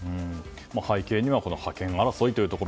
背景には覇権争いというところ。